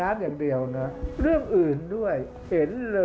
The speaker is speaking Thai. ภาคอีสานแห้งแรง